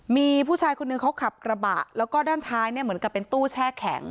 มีผู้ชายคนหนึ่งเขาขับกระบะแล้วก็ด้านท้ายเนี่ยเหมือนกับเป็นตู้แช่แข็ง